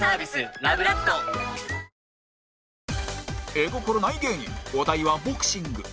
絵心ない芸人お題はボクシング